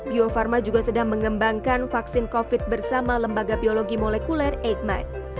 bio farma juga sedang mengembangkan vaksin covid bersama lembaga biologi molekuler eijkman